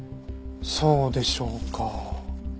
そうでしょうか。